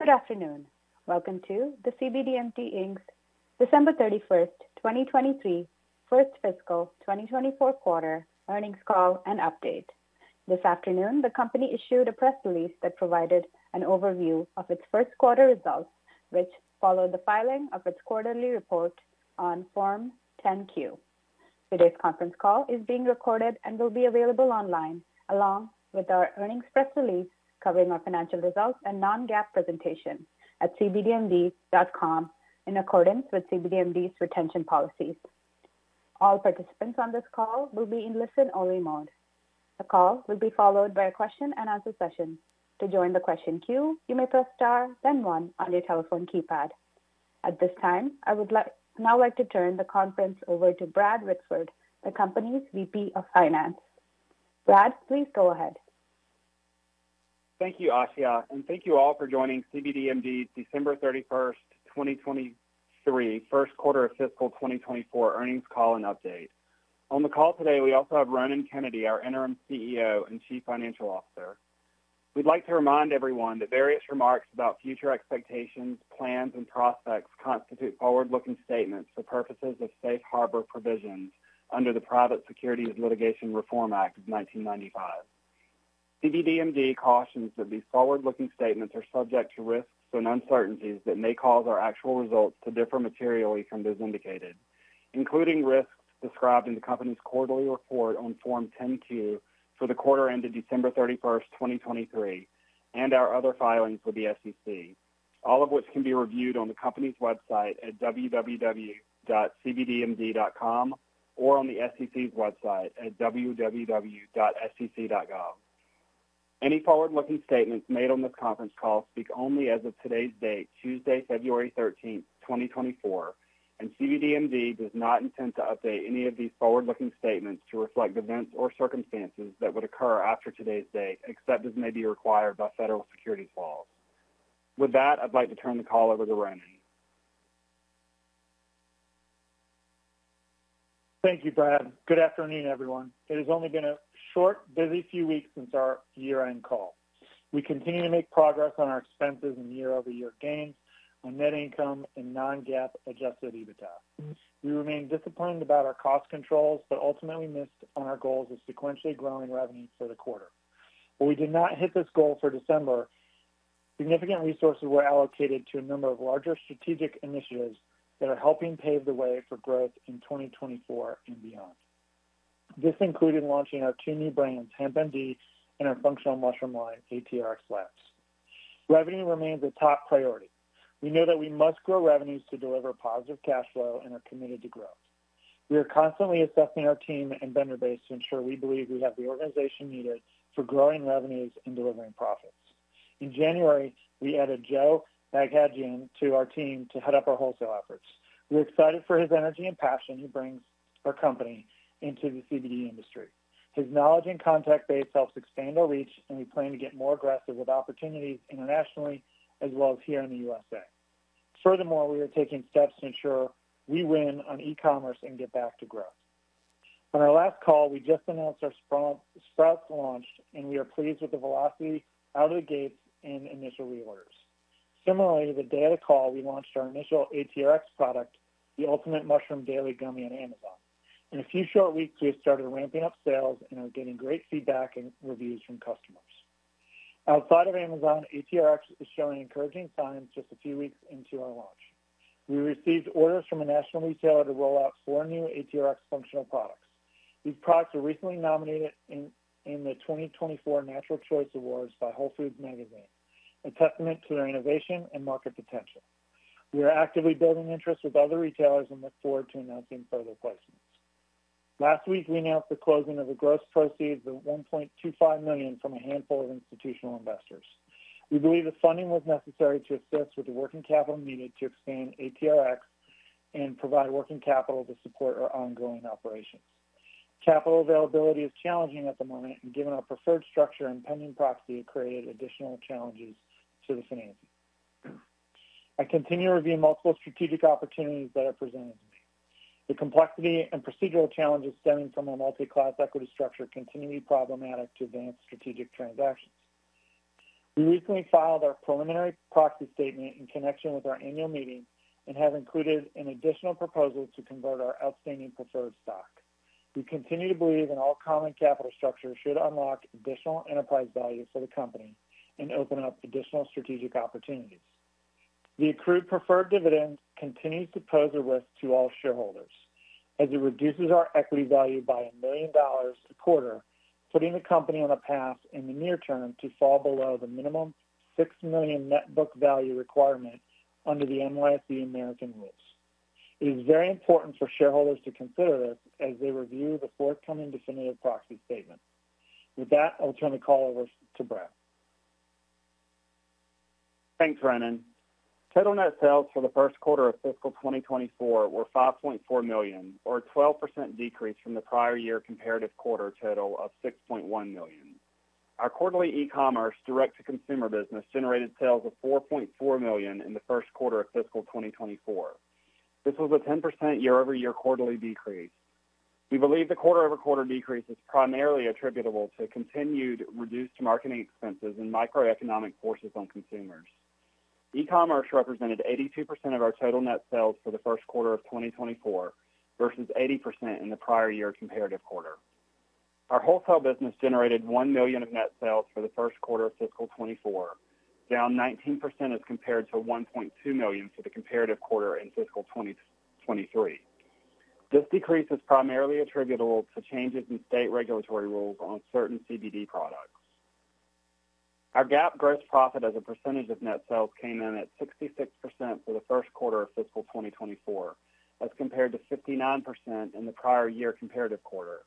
Good afternoon. Welcome to the cbdMD, Inc. December 31, 2023, first fiscal 2024 quarter earnings call and update. This afternoon, the company issued a press release that provided an overview of its first quarter results, which followed the filing of its quarterly report on Form 10-Q. Today's conference call is being recorded and will be available online, along with our earnings press release covering our financial results and non-GAAP presentation at cbdmd.com in accordance with cbdMD's retention policies. All participants on this call will be in listen-only mode. The call will be followed by a question-and-answer session. To join the question queue, you may press star, then one, on your telephone keypad. At this time, I would now like to turn the conference over to Brad Whitford, the company's VP of Finance. Brad, please go ahead. Thank you, Asiya, and thank you all for joining cbdMD December 31, 2023, first quarter of fiscal 2024 earnings call and update. On the call today, we also have Ronan Kennedy, our interim CEO and Chief Financial Officer. We'd like to remind everyone that various remarks about future expectations, plans, and prospects constitute forward-looking statements for purposes of safe harbor provisions under the Private Securities Litigation Reform Act of 1995. cbdMD cautions that these forward-looking statements are subject to risks and uncertainties that may cause our actual results to differ materially from those indicated, including risks described in the company's quarterly report on Form 10-Q for the quarter ended December 31, 2023, and our other filings with the SEC, all of which can be reviewed on the company's website at www.cbdmd.com or on the SEC's website at www.sec.gov. Any forward-looking statements made on this conference call speak only as of today's date, Tuesday, February 13, 2024, and cbdMD does not intend to update any of these forward-looking statements to reflect events or circumstances that would occur after today's date, except as may be required by federal securities laws. With that, I'd like to turn the call over to Ronan. Thank you, Brad. Good afternoon, everyone. It has only been a short, busy few weeks since our year-end call. We continue to make progress on our expenses and year-over-year gains on net income and non-GAAP Adjusted EBITDA. We remain disciplined about our cost controls but ultimately missed on our goals of sequentially growing revenue for the quarter. While we did not hit this goal for December, significant resources were allocated to a number of larger strategic initiatives that are helping pave the way for growth in 2024 and beyond. This included launching our two new brands, HempMD, and our functional mushroom line, ATRx Labs. Revenue remains a top priority. We know that we must grow revenues to deliver positive cash flow and are committed to growth. We are constantly assessing our team and vendor base to ensure we believe we have the organization needed for growing revenues and delivering profits. In January, we added Joe Bagdajan to our team to head up our wholesale efforts. We're excited for his energy and passion he brings our company in the CBD industry. His knowledge and contact base helps expand our reach, and we plan to get more aggressive with opportunities internationally as well as here in the USA. Furthermore, we are taking steps to ensure we win on e-commerce and get back to growth. On our last call, we just announced our Sprouts launched, and we are pleased with the velocity out of the gates in initial reorders. Similarly, the day of the call, we launched our initial ATRx product, the Ultimate Mushroom Daily Gummy on Amazon. In a few short weeks, we have started ramping up sales and are getting great feedback and reviews from customers. Outside of Amazon, ATRx is showing encouraging signs just a few weeks into our launch. We received orders from a national retailer to roll out 4 new ATRx functional products. These products were recently nominated in the 2024 Natural Choice Awards by WholeFoods Magazine, a testament to their innovation and market potential. We are actively building interest with other retailers and look forward to announcing further placements. Last week, we announced the closing of gross proceeds of $1.25 million from a handful of institutional investors. We believe the funding was necessary to assist with the working capital needed to expand ATRx and provide working capital to support our ongoing operations. Capital availability is challenging at the moment, and given our preferred structure and pending proxy, it created additional challenges to the finances. I continue to review multiple strategic opportunities that are presented to me. The complexity and procedural challenges stemming from our multi-class equity structure continue to be problematic to advance strategic transactions. We recently filed our preliminary Proxy Statement in connection with our Annual Meeting and have included an additional proposal to convert our outstanding Preferred Stock. We continue to believe an all-common capital structure should unlock additional enterprise value for the company and open up additional strategic opportunities. The accrued preferred dividend continues to pose a risk to all shareholders, as it reduces our equity value by $1 million a quarter, putting the company on a path in the near term to fall below the minimum $6 million Net Book Value requirement under the NYSE American rules. It is very important for shareholders to consider this as they review the forthcoming definitive Proxy Statement. With that, I'll turn the call over to Brad. Thanks, Ronan. Total net sales for the first quarter of fiscal 2024 were $5.4 million, or a 12% decrease from the prior year comparative quarter total of $6.1 million. Our quarterly e-commerce direct-to-consumer business generated sales of $4.4 million in the first quarter of fiscal 2024. This was a 10% year-over-year quarterly decrease. We believe the quarter-over-quarter decrease is primarily attributable to continued reduced marketing expenses and macroeconomic forces on consumers. E-commerce represented 82% of our total net sales for the first quarter of 2024 versus 80% in the prior year comparative quarter. Our wholesale business generated $1 million of net sales for the first quarter of fiscal 2024, down 19% as compared to $1.2 million for the comparative quarter in fiscal 2023. This decrease is primarily attributable to changes in state regulatory rules on certain CBD products. Our GAAP gross profit as a percentage of net sales came in at 66% for the first quarter of fiscal 2024, as compared to 59% in the prior year comparative quarter.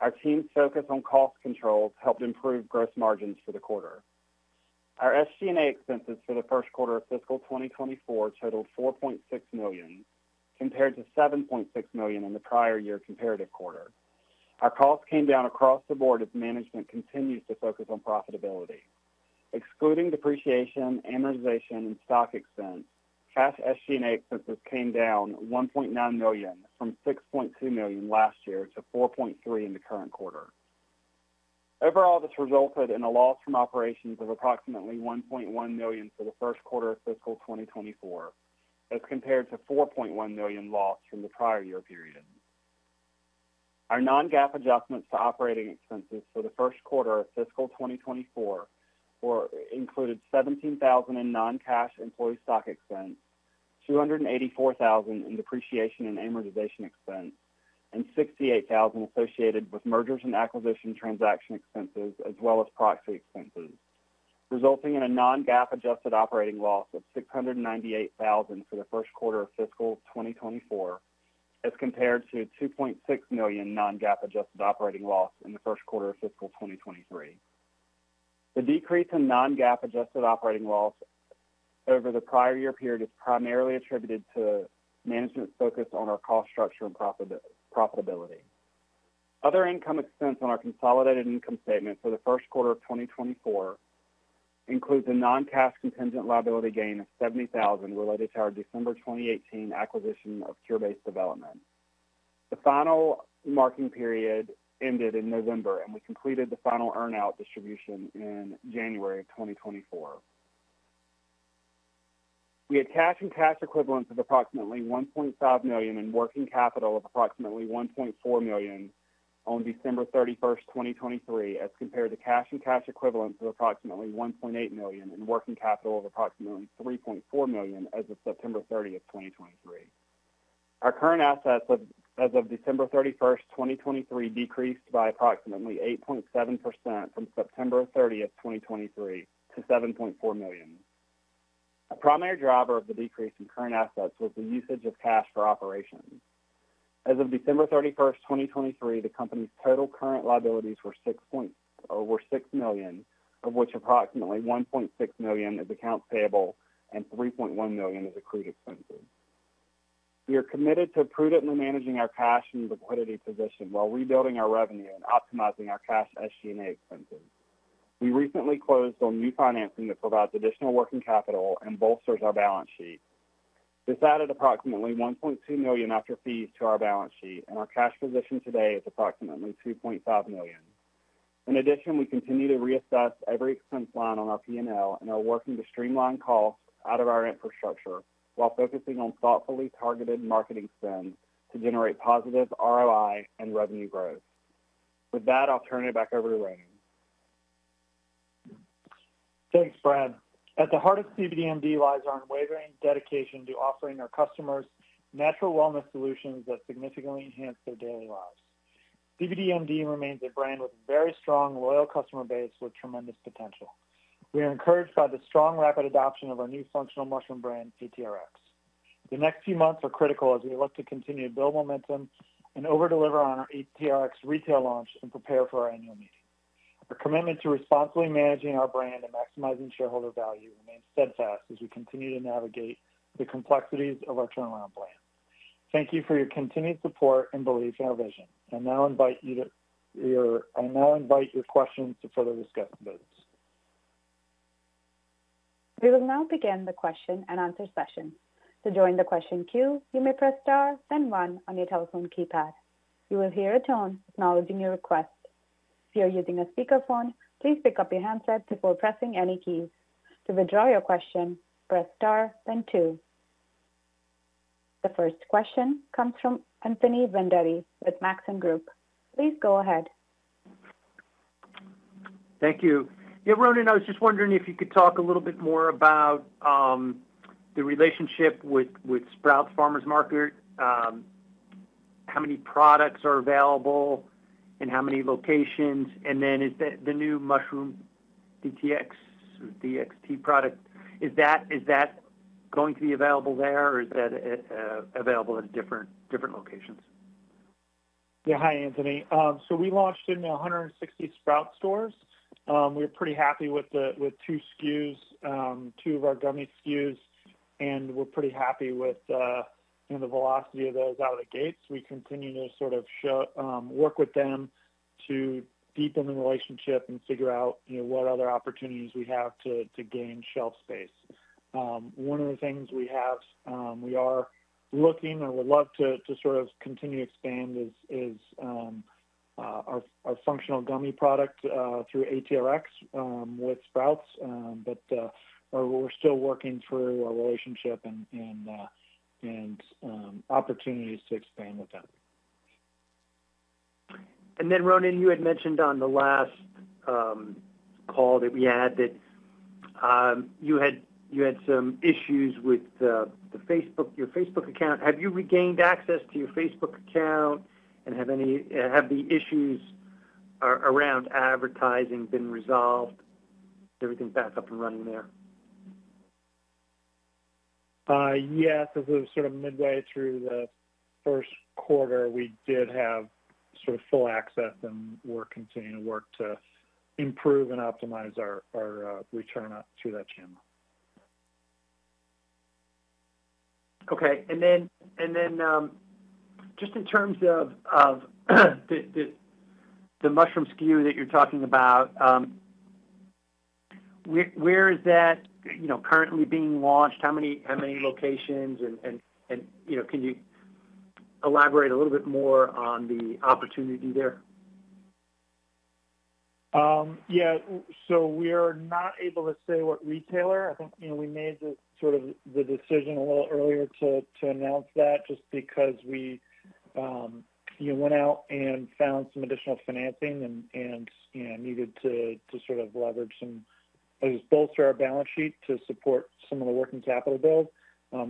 Our team's focus on cost controls helped improve gross margins for the quarter. Our SG&A expenses for the first quarter of fiscal 2024 totaled $4.6 million, compared to $7.6 million in the prior year comparative quarter. Our costs came down across the board as management continues to focus on profitability. Excluding depreciation, amortization, and stock expense, cash SG&A expenses came down $1.9 million from $6.2 million last year to $4.3 million in the current quarter. Overall, this resulted in a loss from operations of approximately $1.1 million for the first quarter of fiscal 2024, as compared to $4.1 million loss from the prior year period. Our non-GAAP adjustments to operating expenses for the first quarter of fiscal 2024 included $17,000 in non-cash employee stock expense, $284,000 in depreciation and amortization expense, and $68,000 associated with mergers and acquisitions transaction expenses as well as proxy expenses, resulting in a non-GAAP-adjusted operating loss of $698,000 for the first quarter of fiscal 2024, as compared to a $2.6 million non-GAAP-adjusted operating loss in the first quarter of fiscal 2023. The decrease in non-GAAP-adjusted operating loss over the prior year period is primarily attributed to management's focus on our cost structure and profitability. Other income expense on our consolidated income statement for the first quarter of 2024 includes a non-cash contingent liability gain of $70,000 related to our December 2018 acquisition of Cure Based Development. The final marking period ended in November, and we completed the final earnout distribution in January of 2024. We had cash and cash equivalents of approximately $1.5 million and working capital of approximately $1.4 million on December 31, 2023, as compared to cash and cash equivalents of approximately $1.8 million and working capital of approximately $3.4 million as of September 30, 2023. Our current assets as of December 31, 2023, decreased by approximately 8.7% from September 30, 2023, to $7.4 million. A primary driver of the decrease in current assets was the usage of cash for operations. As of December 31, 2023, the company's total current liabilities were $6 million, of which approximately $1.6 million is accounts payable and $3.1 million is accrued expenses. We are committed to prudently managing our cash and liquidity position while rebuilding our revenue and optimizing our cash SG&A expenses. We recently closed on new financing that provides additional working capital and bolsters our balance sheet. This added approximately $1.2 million after fees to our balance sheet, and our cash position today is approximately $2.5 million. In addition, we continue to reassess every expense line on our P&L and are working to streamline costs out of our infrastructure while focusing on thoughtfully targeted marketing spend to generate positive ROI and revenue growth. With that, I'll turn it back over to Ronan. Thanks, Brad. At the heart of cbdMD lies our unwavering dedication to offering our customers natural wellness solutions that significantly enhance their daily lives. cbdMD remains a brand with a very strong, loyal customer base with tremendous potential. We are encouraged by the strong, rapid adoption of our new functional mushroom brand, ATRx. The next few months are critical as we elect to continue to build momentum and overdeliver on our ATRx retail launch and prepare for our annual meeting. Our commitment to responsibly managing our brand and maximizing shareholder value remains steadfast as we continue to navigate the complexities of our turnaround plan. Thank you for your continued support and belief in our vision, and now invite your questions to further discuss those. We will now begin the question and answer session. To join the question queue, you may press star, then one on your telephone keypad. You will hear a tone acknowledging your request. If you are using a speakerphone, please pick up your handset before pressing any keys. To withdraw your question, press star, then two. The first question comes from Anthony Vendetti with Maxim Group. Please go ahead. Thank you. Yeah, Ronan, I was just wondering if you could talk a little bit more about the relationship with Sprouts Farmers Market, how many products are available in how many locations, and then is the new mushroom ATRx product, is that going to be available there, or is that available at different locations? Yeah, hi, Anthony. So we launched in 160 Sprouts stores. We were pretty happy with 2 SKUs, 2 of our gummy SKUs, and we're pretty happy with the velocity of those out of the gates. We continue to sort of work with them to deepen the relationship and figure out what other opportunities we have to gain shelf space. One of the things we have, we are looking or would love to sort of continue to expand is our functional gummy product through ATRx with Sprouts, but we're still working through our relationship and opportunities to expand with them. Ronan, you had mentioned on the last call that you had some issues with your Facebook account. Have you regained access to your Facebook account, and have the issues around advertising been resolved? Is everything back up and running there? Yes, as we were sort of midway through the first quarter, we did have sort of full access, and we're continuing to work to improve and optimize our return to that channel. Okay. And then just in terms of the mushroom SKU that you're talking about, where is that currently being launched? How many locations? And can you elaborate a little bit more on the opportunity there? Yeah. So we are not able to say what retailer. I think we made sort of the decision a little earlier to announce that just because we went out and found some additional financing and needed to sort of leverage some as bolster our balance sheet to support some of the working capital build.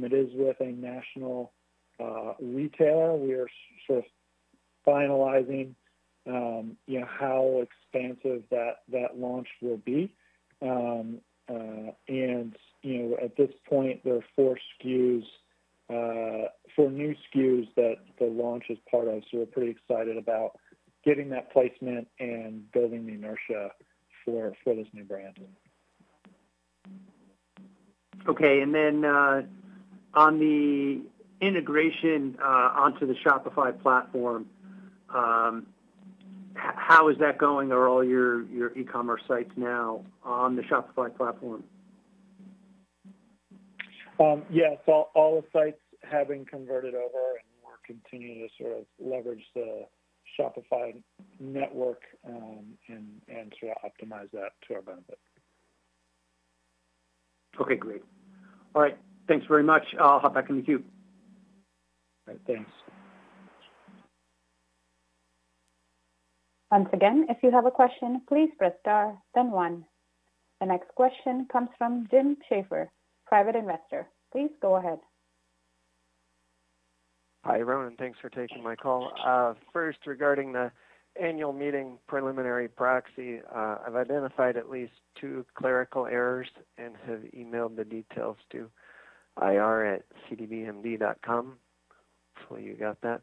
It is with a national retailer. We are sort of finalizing how expansive that launch will be. At this point, there are four new SKUs that the launch is part of, so we're pretty excited about getting that placement and building the inertia for this new brand. Okay. And then on the integration onto the Shopify platform, how is that going? Are all your e-commerce sites now on the Shopify platform? Yes. All the sites have been converted over, and we're continuing to sort of leverage the Shopify network and sort of optimize that to our benefit. Okay. Great. All right. Thanks very much. I'll hop back in the queue. All right. Thanks. Once again, if you have a question, please press star, then one. The next question comes from Jim Schaefer, private investor. Please go ahead. Hi, Ronan. Thanks for taking my call. First, regarding the annual meeting preliminary proxy, I've identified at least two clerical errors and have emailed the details to ir@cbdmd.com. Hopefully, you got that.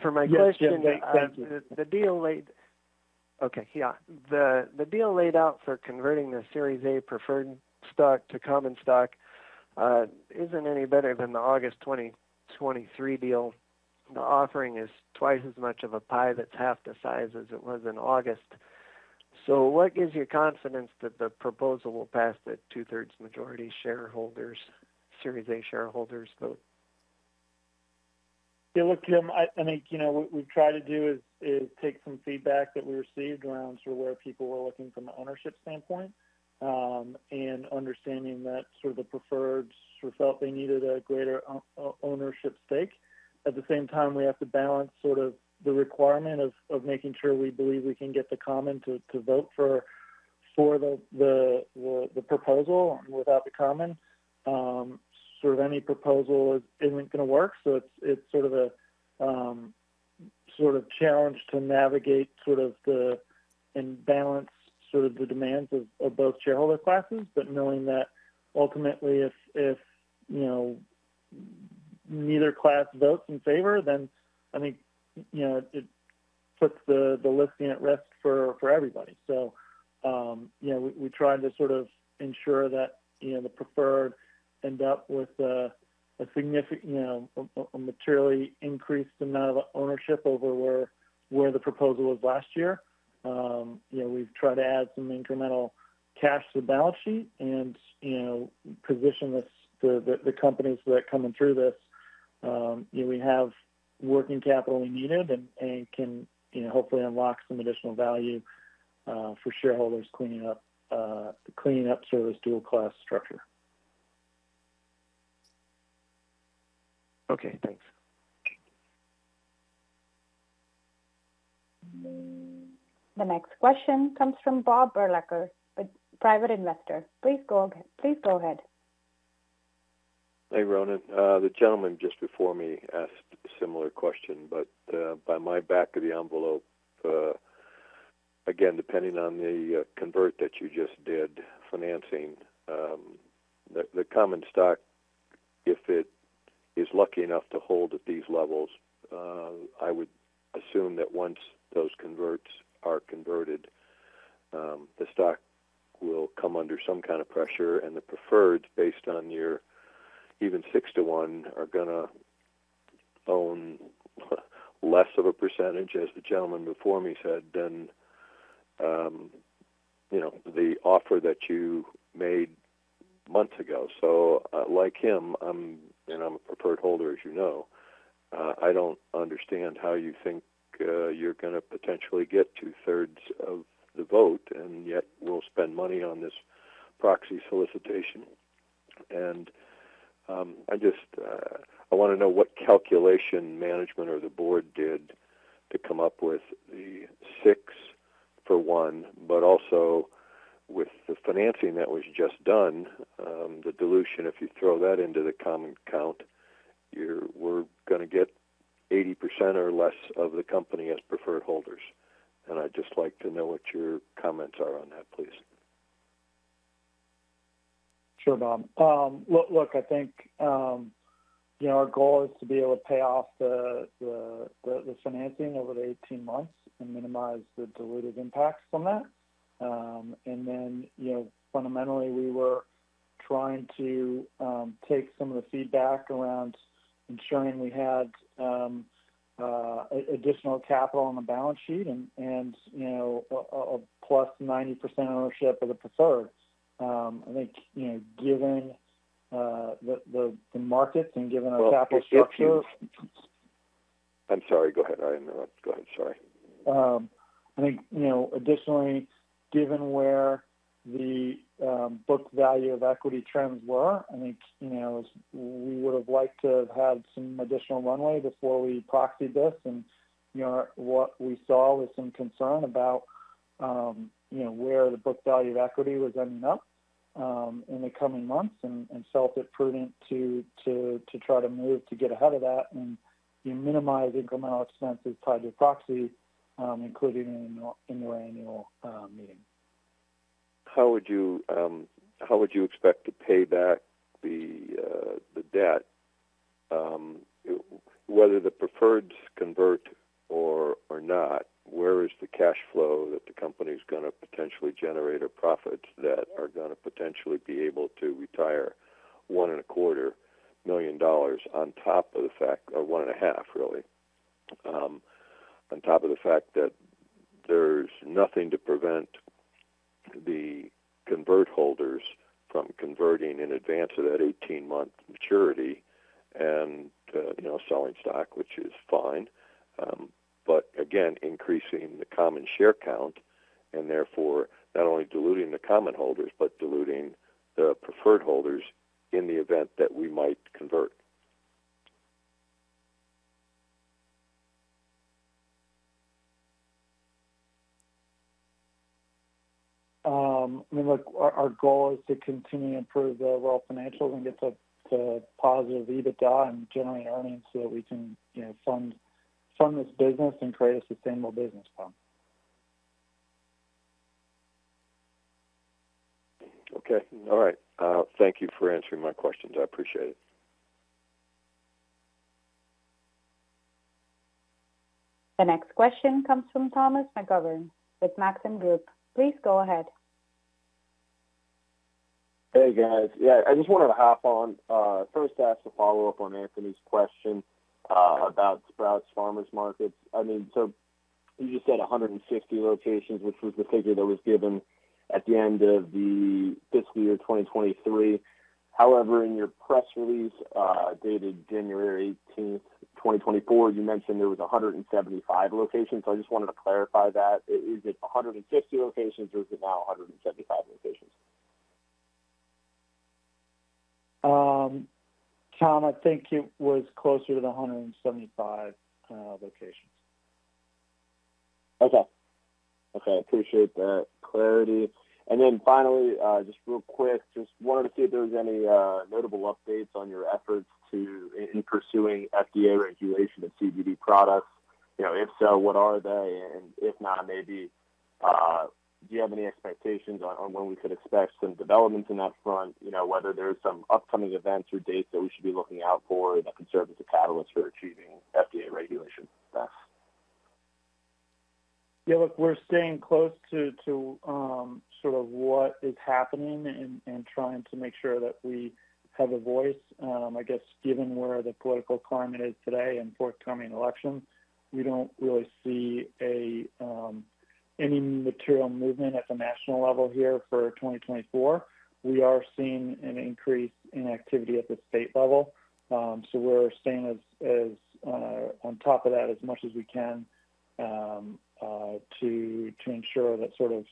For my question. Yes, Jim, thank you. The deal laid out for converting the Series A Preferred Stock to common stock isn't any better than the August 2023 deal. The offering is twice as much of a pie that's half the size as it was in August. So what gives you confidence that the proposal will pass the two-thirds majority Series A shareholders vote? Yeah, look, Jim, I think what we've tried to do is take some feedback that we received around sort of where people were looking from an ownership standpoint and understanding that sort of the preferred sort of felt they needed a greater ownership stake. At the same time, we have to balance sort of the requirement of making sure we believe we can get the common to vote for the proposal. And without the common, sort of any proposal isn't going to work. So it's sort of a sort of challenge to navigate sort of the and balance sort of the demands of both shareholder classes. But knowing that ultimately, if neither class votes in favor, then I think it puts the listing at risk for everybody. So we tried to sort of ensure that the preferred end up with a significant materially increased amount of ownership over where the proposal was last year. We've tried to add some incremental cash to the balance sheet and position the companies that are coming through this. We have working capital we needed and can hopefully unlock some additional value for shareholders cleaning up sort of this dual-class structure. Okay. Thanks. The next question comes from Bob Berlacher, private investor. Please go ahead. Hey, Ronan. The gentleman just before me asked a similar question, but by my back of the envelope, again, depending on the convert that you just did, financing, the common stock, if it is lucky enough to hold at these levels, I would assume that once those converts are converted, the stock will come under some kind of pressure. And the preferreds, based on your even 6-to-1, are going to own less of a percentage, as the gentleman before me said, than the offer that you made months ago. So like him, and I'm a preferred holder, as you know, I don't understand how you think you're going to potentially get two-thirds of the vote and yet will spend money on this proxy solicitation. And I want to know what calculation management or the board did to come up with the 6-for-1. But also with the financing that was just done, the dilution, if you throw that into the common count, we're going to get 80% or less of the company as preferred holders. I'd just like to know what your comments are on that, please. Sure, Bob. Look, I think our goal is to be able to pay off the financing over the 18 months and minimize the diluted impacts from that. And then fundamentally, we were trying to take some of the feedback around ensuring we had additional capital on the balance sheet and a +90% ownership of the preferred. I think given the markets and given our capital structure. Well, Jim, I'm sorry. Go ahead. I interrupted. Go ahead. Sorry. I think additionally, given where the book value of equity trends were, I think we would have liked to have had some additional runway before we proxied this. What we saw was some concern about where the book value of equity was ending up in the coming months and felt it prudent to try to move to get ahead of that and minimize incremental expenses tied to proxy, including in your annual meeting. How would you expect to pay back the debt? Whether the preferreds convert or not, where is the cash flow that the company is going to potentially generate or profits that are going to potentially be able to retire $1.25 million on top of the fact or $1.5 million, really, on top of the fact that there's nothing to prevent the convert holders from converting in advance of that 18-month maturity and selling stock, which is fine, but again, increasing the common share count and therefore not only diluting the common holders but diluting the preferred holders in the event that we might convert? I mean, look, our goal is to continue to improve the overall financials and get to a positive EBITDA and generate earnings so that we can fund this business and create a sustainable business plan. Okay. All right. Thank you for answering my questions. I appreciate it. The next question comes from Thomas McGovern with Maxim Group. Please go ahead. Hey, guys. Yeah, I just wanted to hop on. First, ask a follow-up on Anthony's question about Sprouts Farmers Market. I mean, so you just said 150 locations, which was the figure that was given at the end of the fiscal year 2023. However, in your press release dated January 18th, 2024, you mentioned there was 175 locations. So I just wanted to clarify that. Is it 150 locations, or is it now 175 locations? Tom, I think it was closer to the 175 locations. Okay. Okay. I appreciate that clarity. And then finally, just real quick, just wanted to see if there was any notable updates on your efforts in pursuing FDA regulation of CBD products. If so, what are they? And if not, maybe do you have any expectations on when we could expect some developments in that front, whether there's some upcoming events or dates that we should be looking out for that can serve as a catalyst for achieving FDA regulation best? Yeah, look, we're staying close to sort of what is happening and trying to make sure that we have a voice. I guess given where the political climate is today and forthcoming elections, we don't really see any material movement at the national level here for 2024. We are seeing an increase in activity at the state level. So we're staying on top of that as much as we can to ensure that sort of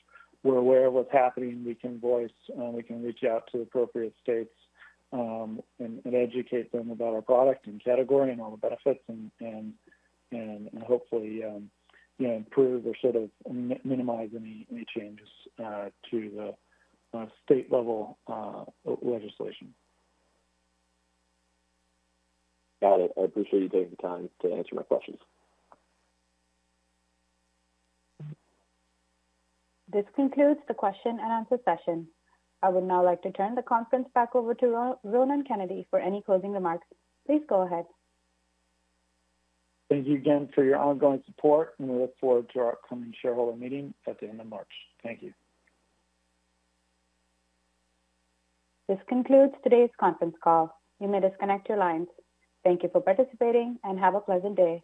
we're aware of what's happening. We can voice. We can reach out to the appropriate states and educate them about our product and category and all the benefits and hopefully improve or sort of minimize any changes to the state-level legislation. Got it. I appreciate you taking the time to answer my questions. This concludes the question-and-answer session. I would now like to turn the conference back over to Ronan Kennedy for any closing remarks. Please go ahead. Thank you again for your ongoing support, and we look forward to our upcoming shareholder meeting at the end of March. Thank you. This concludes today's conference call. You may disconnect your lines. Thank you for participating, and have a pleasant day.